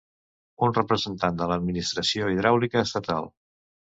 Un representant de l'Administració hidràulica estatal.